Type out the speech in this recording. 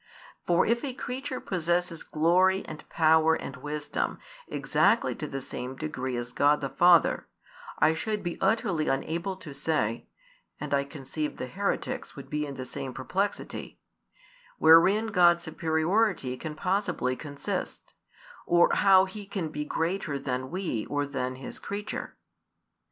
For if a creature possesses glory and power and wisdom exactly to the same degree as God the Father, I should be utterly unable to say, and I conceive the heretics would be in the same perplexity, wherein God's superiority can possibly consist, or how He can be greater than we or than His creature.